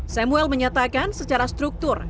samuel menyatakan secara struktur